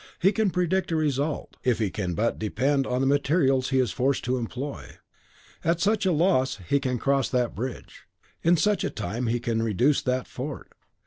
He can predict a result, if he can but depend upon the materials he is forced to employ. At such a loss he can cross that bridge; in such a time he can reduce that fort.